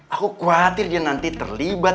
aku khawatir dia nanti terlibat